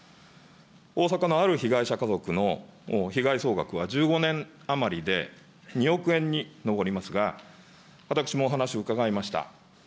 大阪のある被害者家族の被害総額は、１５年余りで２億円に上りますが、私もお話を伺いました。